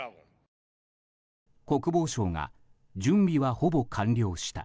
国防相が準備はほぼ完了した。